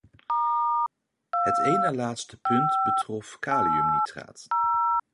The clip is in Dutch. Het een na laatste punt betrof kaliumnitraat.